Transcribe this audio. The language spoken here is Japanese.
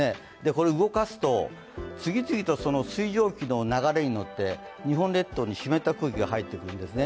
これ、動かすと次々と水蒸気の流れによってに日本列島に湿った空気が入ってくるんです。